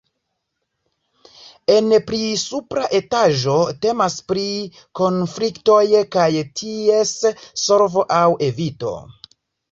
En pli supra etaĝo temas pri konfliktoj kaj ties solvo aŭ evito.